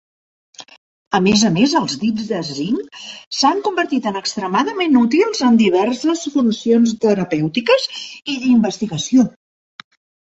A més a més, els dits de zinc s'han convertit en extremadament útils en diverses funcions terapèutiques i d'investigació.